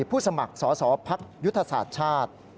ผู้สมัครสอสอพักยุทธศาสตร์ชาติ